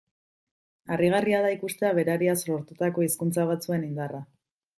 Harrigarria da ikustea berariaz sortutako hizkuntza batzuen indarra.